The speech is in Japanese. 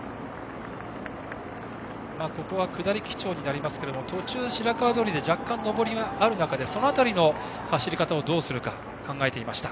ここは下り基調になりますが途中、白川通で若干上りがある中でその辺りの走り方をどうするか考えていました。